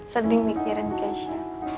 sedih mikirin keisha